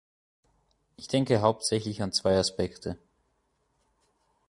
Ich denke hauptsächlich an zwei Aspekte.